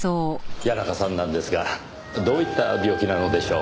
谷中さんなんですがどういった病気なのでしょう？